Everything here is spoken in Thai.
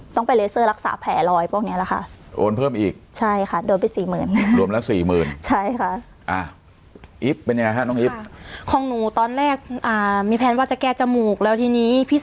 ต้องไปเลเซอร์รักษาแผลลอยโอนเพิ่มอีก